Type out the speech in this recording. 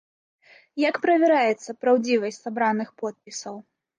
Як правяраецца праўдзівасць сабраных подпісаў?